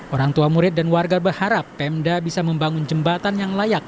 orang tua murid dan warga berharap pemda bisa membangun jembatan yang layak